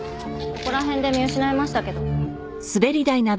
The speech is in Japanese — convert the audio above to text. ここら辺で見失いましたけど。